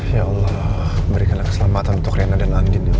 ya allah berikanlah keselamatan untuk riana dan andi dulu